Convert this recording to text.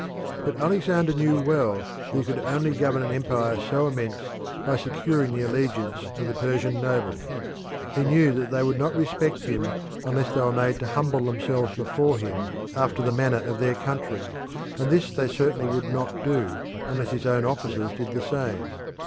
But Alexander knew well that he could only govern an empire so immense by securing the allegiance of the Persian nobles; he knew that they would not respect him unless they were made to humble themselves before him after the manner of their country, and this they certainly would not do unless his own officers did the same.